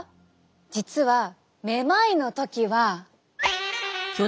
実はめまいの時は。